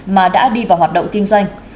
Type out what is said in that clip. mà đã đi vào hoạt động kinh doanh